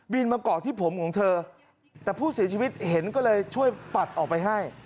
มาเกาะที่ผมของเธอแต่ผู้เสียชีวิตเห็นก็เลยช่วยปัดออกไปให้